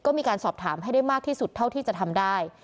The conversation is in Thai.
ก็มีการสอบถามให้ได้มากที่สุดเท่าที่จะทำได้